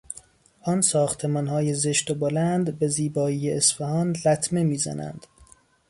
آن ساختمانهای زشت و بلند به زیبایی اصفهان لطمه میزنند.